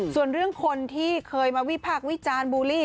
ส่วนเรื่องคนที่เคยมาวิพากษ์วิจารณ์บูลลี่